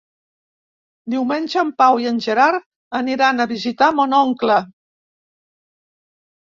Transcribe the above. Diumenge en Pau i en Gerard aniran a visitar mon oncle.